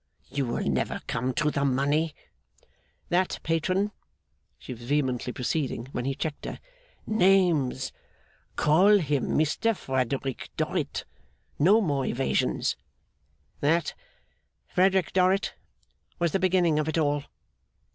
You will never come to the money?' 'That patron,' she was vehemently proceeding, when he checked her. 'Names! Call him Mr Frederick Dorrit. No more evasions.' 'That Frederick Dorrit was the beginning of it all.